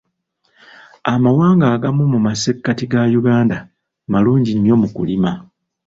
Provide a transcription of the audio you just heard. Amawanga agamu mu masekkati ga Uganda malungi nnyo mu kulima.